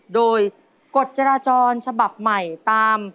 โดยกฎจราจรฉบับใหม่ตาม